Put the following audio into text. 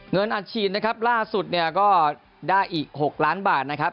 เงินอาชีนล่าสุดก็ได้อีก๖ล้านบาทนะครับ